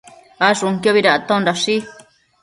Ashunquiobi dactondashi